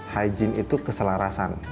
hygiene itu keselarasan